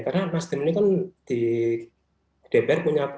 karena nasdem ini kan di dpr punya alasan